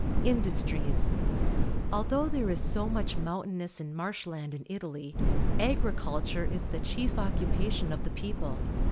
Industries. — Although there is so mucli mountainous and marsh land in Italy, agri culture is the chief occupation of the people.